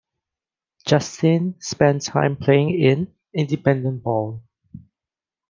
Justin spent time playing in independent ball.